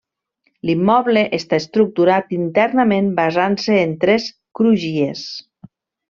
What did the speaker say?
L'immoble està estructurat internament basant-se en tres crugies.